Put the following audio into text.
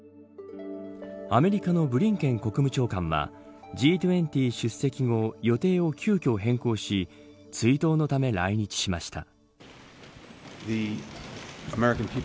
アメリカのブリンケン国務長官はＧ２０出席後予定を急きょ変更し追悼のため来日しました。